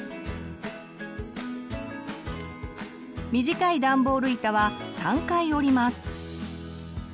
短いダンボール板は３回折ります。